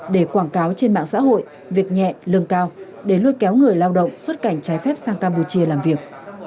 để quảng cáo trên mạng xã hội việc nhẹ lương cao để lôi kéo người lao động xuất cảnh trái phép sang campuchia làm việc